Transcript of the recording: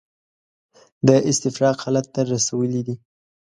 د استفراق حالت ته رسولي دي.